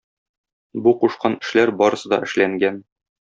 Бу кушкан эшләр барысы да эшләнгән.